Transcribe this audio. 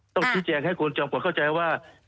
ต้องแจกให้ครูสมค่อยเข้าใจว่า